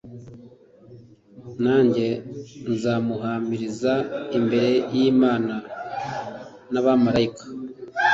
nanjye nzamuhamiriza imbere y’imana n’abamarayika”